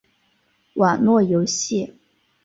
网络游戏